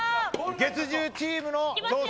月１０チームの挑戦。